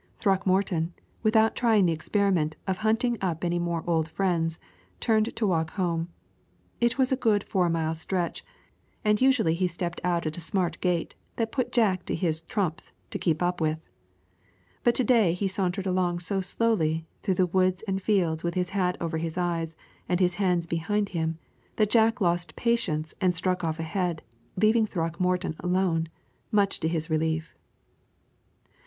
Throckmorton, without trying the experiment of hunting up any more old friends, turned to walk home. It was a good four mile stretch, and usually he stepped out at a smart gait that put Jack to his trumps to keep up with. But to day he sauntered along so slowly, through the woods and fields with his hat over his eyes and his hands behind him, that Jack lost patience and struck off ahead, leaving Throckmorton alone, much to his relief.